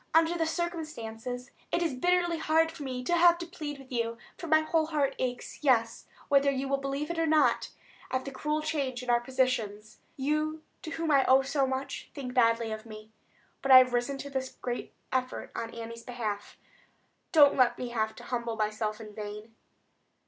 Under the circumstances, it is bitterly hard for me to have to plead with you; for my whole heart aches, yes—whether you will believe it or not—at the cruel change in our positions. You, to whom I owe so much, think badly of me. But I have risen to this great effort on Annie's behalf. Don't let me have to humble myself in vain."